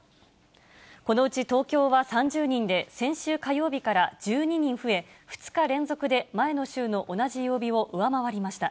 このうち東京は３０人で、先週火曜日から１２人増え、２日連続で、前の週の同じ曜日を上回りました。